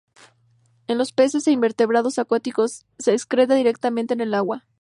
En los peces e invertebrados acuáticos, se excreta directamente en el agua.